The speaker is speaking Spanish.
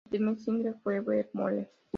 El primer single fue "Evermore".